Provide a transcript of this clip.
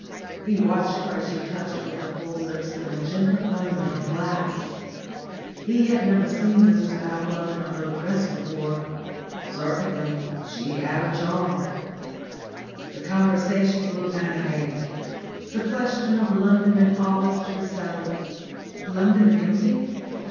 He watched her as she touched with her full lips the magenta foam in her glass. He had never seen Mrs Bablove in a low dress before; certainly she had a charm. The conversation grew animated. The question of London in August was settled. London empty?